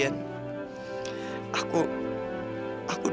yang aku suka